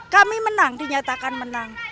kami menang dinyatakan menang